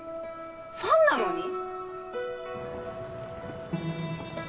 ファンなのに？